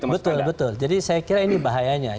betul betul jadi saya kira ini bahayanya